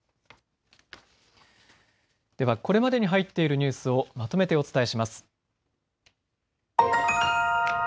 ではこれまでに入っているニュースをまとめてお伝えします。